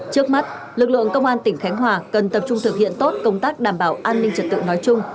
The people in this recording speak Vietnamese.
trước mắt lực lượng công an tỉnh khánh hòa cần tập trung thực hiện tốt công tác đảm bảo an ninh trật tự nói chung